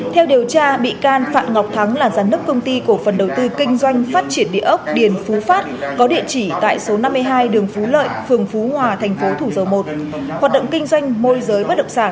theo điều tra bị can phạm ngọc thắng là giám đốc công ty cổ phần đầu tư kinh doanh phát triển địa ốc điền phú phát có địa chỉ tại số năm mươi hai đường phú lợi phường phú hòa thành phố thủ dầu một hoạt động kinh doanh môi giới bất động sản